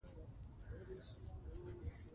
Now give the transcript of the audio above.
افغانستان د ځمکه له مخې پېژندل کېږي.